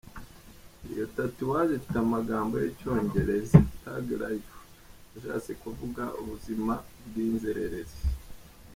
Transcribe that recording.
Iyo tatouage ifite amagamo y’icyongereza "Thug Life" ashatse kuvuga ubuzima bw’inzererezi.